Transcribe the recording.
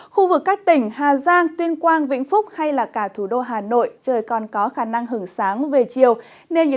khu vực các tỉnh hà giang tuyên quang vĩnh phúc hay là cả thủ đô hà nội trời còn có khả năng hưởng sáng về chiều